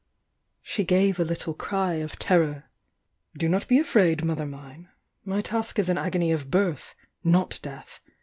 She |ave a little cry of terror. "Do not be afraid, mother mine! My task is ~n THE YOUNG UIANA loi agony of birth— not death!